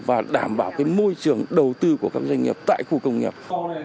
và đảm bảo môi trường đầu tư của các doanh nghiệp tại khu công nghiệp